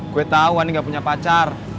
gue tau ani gak punya pacar